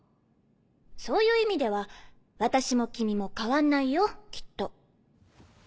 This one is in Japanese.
そういう意味では私も君も変わんないよきっと。